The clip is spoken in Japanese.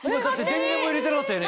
電源も入れてなかったよね